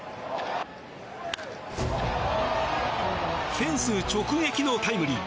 フェンス直撃のタイムリー。